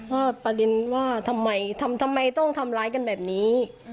ว่าประเด็นว่าทำไมทำไมต้องทำร้ายกันแบบนี้